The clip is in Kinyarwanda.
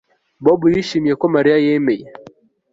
Bobo yishimiye ko Mariya yemeye